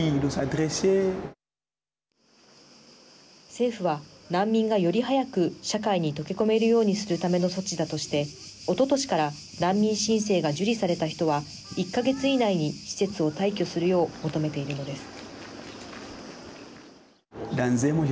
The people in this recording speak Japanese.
政府は難民がより早く社会に溶け込めるようにするための措置だとしておととしから難民申請が受理された人は１か月以内に、施設を退去するよう求めているんです。